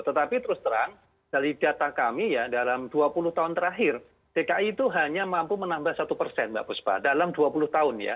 tetapi terus terang dari data kami ya dalam dua puluh tahun terakhir dki itu hanya mampu menambah satu persen mbak buspa dalam dua puluh tahun ya